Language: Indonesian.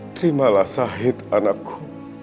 terimalah syahid anakku